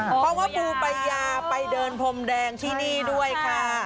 เพราะว่าปูปายาไปเดินพรมแดงที่นี่ด้วยค่ะ